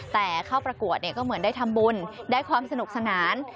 แต่เข้าประกวดก็เหมือนได้ทำบุญได้ความสนุกสนาน